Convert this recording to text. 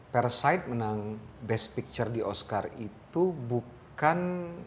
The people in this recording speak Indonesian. parasite menang best picture di oscar itu bukan